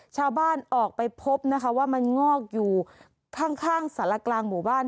ชาวบ้านออกไปพบนะคะว่ามันงอกอยู่ข้างสารกลางหมู่บ้าน